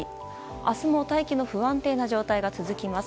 明日も大気の不安定な状態が続きます。